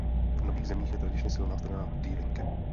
V nových zemích je tradičně silná strana Die Linke.